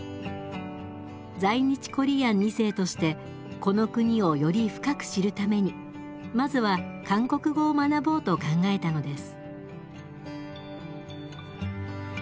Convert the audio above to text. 在日コリアン２世としてこの国をより深く知るためにまずは韓国語を学ぼうと考えたのです。